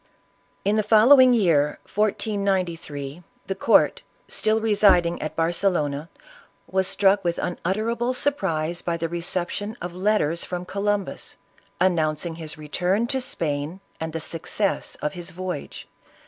In the following year, 1493, the court, then residing at Barcelona, were struck with unutterable surprise by the reception of letters from Columbus, announcing his return to Spain, and the success of his voyage.